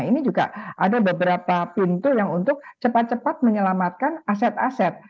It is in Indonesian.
ini juga ada beberapa pintu yang untuk cepat cepat menyelamatkan aset aset